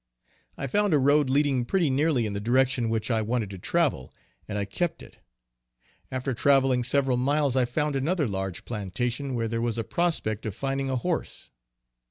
I found a road leading pretty nearly in the direction which I wanted to travel, and I kept it. After traveling several miles I found another large plantation where there was a prospect of finding a horse.